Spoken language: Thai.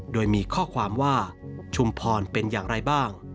โดยมีข้อความว่าชุมพรเป็นอย่างไรบ้าง